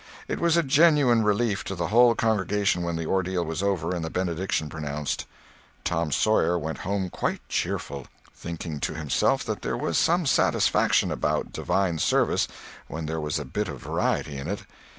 It was a genuine relief to the whole congregation when the ordeal was over and the benediction pronounced. Tom Sawyer went home quite cheerful, thinking to himself that there was some satisfaction about divine service when there was a bit of variety in it.